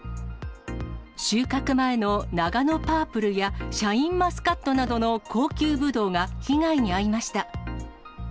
収穫前のナガノパープルやシャインマスカットなどの高級ブドウが被害に遭いました。